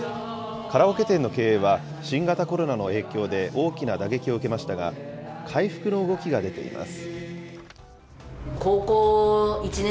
カラオケ店の経営は、新型コロナの影響で大きな打撃を受けましたが、回復の動きが出ています。